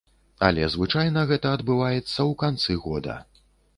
Але звычайна гэта адбываецца ў канцы года.